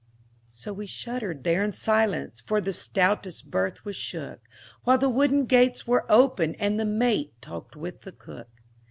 So we shuddered there in silence, For the stoutest berth was shook, While the wooden gates were opened And the mate talked with the cook.